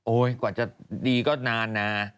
โอ๊ยกว่าจะดีก็นานน่ะ